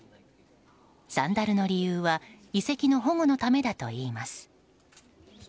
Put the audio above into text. サンダルの理由は遺跡の保護のためだといいます。